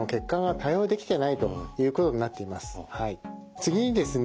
次にですね